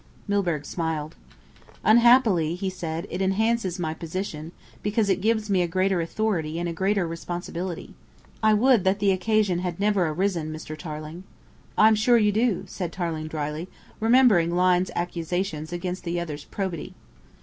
Milburgh smiled. "Unhappily," he said, "it enhances my position, because it gives me a greater authority and a greater responsibility. I would that the occasion had never arisen, Mr. Tarling." "I'm sure you do," said Tarling dryly, remembering Lyne's accusations against the other's probity.